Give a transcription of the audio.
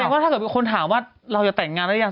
แสดงว่าถ้าเกิดคนถามว่าเราอยากแต่งงานได้ยัง